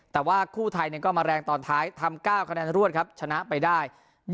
แต่ว่าคู่ไทยก็มาแรงตอนท้ายทำ๙คะแนนรวดครับชนะไปได้